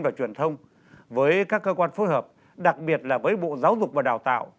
và truyền thông với các cơ quan phối hợp đặc biệt là với bộ giáo dục và đào tạo